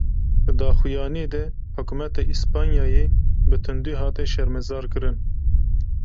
Di daxuyaniyê de hukûmeta Îspanyayê, bi tundî hate şermezarkirin